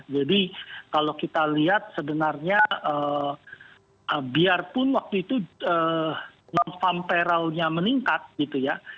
jadi kalau kita lihat sebenarnya biarpun waktu itu non farm payrollnya meningkat gitu ya